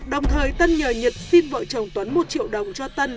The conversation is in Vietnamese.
đồng thời tân nhờ nhật xin vợ chồng tuấn một triệu đồng cho tân